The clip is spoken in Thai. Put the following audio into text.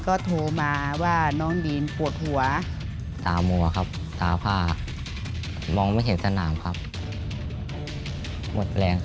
แล้วก็ได้พาเขาไปหาหมอ